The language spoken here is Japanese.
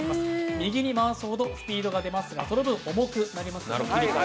右に回すほどスピ−ドが出ますが、その分重くなります。